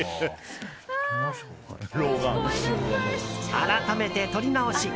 改めて撮り直し。